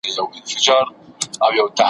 په زحمت به یې ایستله نفسونه,